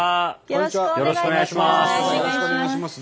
よろしくお願いします。